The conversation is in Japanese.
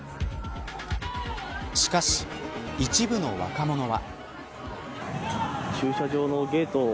しかし、一部の若者は。